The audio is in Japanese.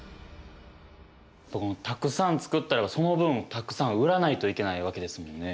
たくさん作ったらその分たくさん売らないといけないわけですもんね。